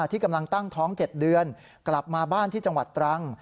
ที่กำลังตั้งท้อง๗เดือนกลับมาบ้านที่จังหวัดตรัง